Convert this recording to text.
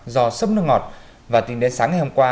do sấp nước ngọt và tính đến sáng ngày hôm qua